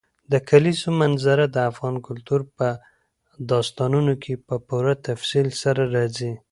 د کلیزو منظره د افغان کلتور په داستانونو کې په پوره تفصیل سره راځي.